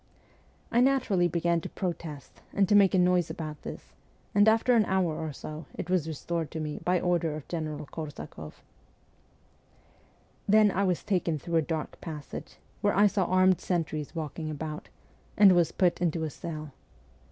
I naturally began to protest and to make a ST. PETERSBURG 137 noise about this, and after an hour or so it was restored to me by order of General Korsakoff. Then I was taken through a dark passage, where I saw armed sentries walking about, and was put into a cell.